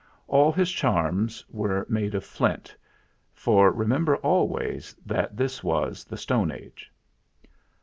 All his charms were made of flint, for remember always that this was the Stone Age.